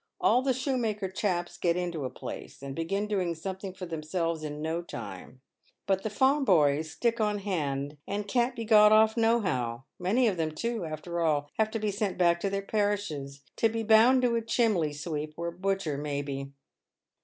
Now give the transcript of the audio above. All the shoemaker chaps get into a place, and begin doing something for themselves in no time, but the farm boys stick on hand, and can't be got off no how ; many of them, too, after all, have to be sent back to their parishes, to be bound to a chimley sweep or a butcher, maybe."